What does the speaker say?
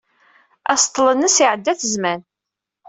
Aseḍḍel-nnes iɛedda-t zzman.